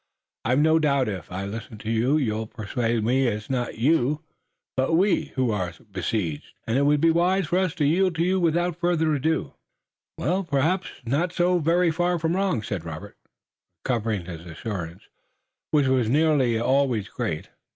I've no doubt if I listen to you you'll persuade me it's not you but we who are besieged, and it would be wise for us to yield to you without further ado." "Perhaps you're not so very far wrong," said Robert, recovering his assurance, which was nearly always great.